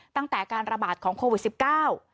ตั้งแต่การระบาดของโควิดสิบเก้า